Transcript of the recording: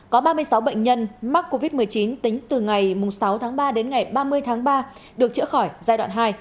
có ba mươi sáu bệnh nhân mắc covid một mươi chín tính từ ngày sáu tháng ba đến ngày ba mươi tháng ba được chữa khỏi giai đoạn hai